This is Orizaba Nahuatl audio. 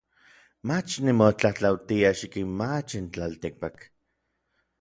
Mach nimotlatlautia xikinmachij n tlaltikpak.